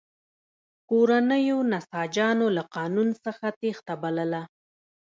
کورنیو نساجانو له قانون څخه تېښته بلله.